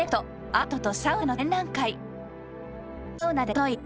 はい！